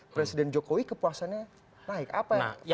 presiden jokowi kepuasannya naik apa yang